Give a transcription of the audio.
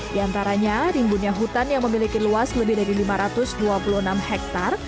di antaranya rimbunnya hutan yang memiliki luas lebih dari lima ratus dua puluh enam hektare